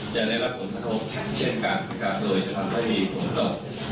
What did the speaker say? จะได้รับผลประทบเช่นกันนะครับโดยจะทำให้มีผลประตบ